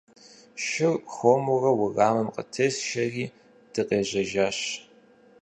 Шыр хуэмурэ уэрамым къытесшэри, дыкъежьэжащ.